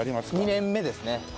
２年目ですね。